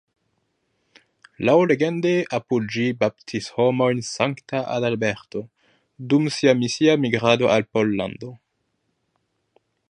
Laŭlegende apud ĝi baptis homojn Sankta Adalberto, dum sia misia migrado al Pollando.